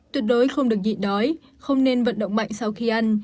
tuyệt đối không được nhịn đói không nên vận động mạnh sau khi ăn